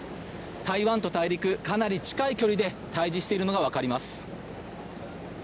台湾と大陸、かなり近い距離で対峙しているのがわかります。